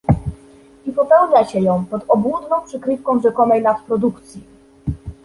I popełnia się ją pod obłudną przykrywką rzekomej nadprodukcji